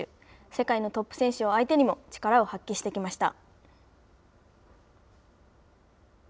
世界のトップ選手を相手にも力を発揮してきました。